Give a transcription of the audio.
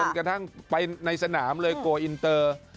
กระทั่งไปในสนามเลยโกลอินเตอร์